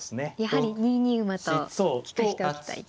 やはり２二馬と利かしておきたい。